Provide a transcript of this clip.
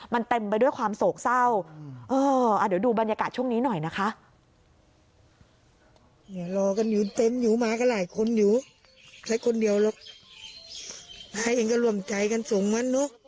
มันเต็มไปด้วยความโศกเศร้าเดี๋ยวดูบรรยากาศช่วงนี้หน่อยนะคะ